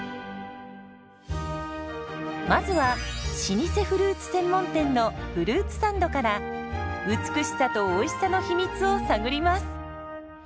まずは老舗フルーツ専門店のフルーツサンドから美しさとおいしさの秘密を探ります。